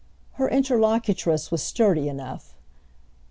Her interlocutress was sturdy enough.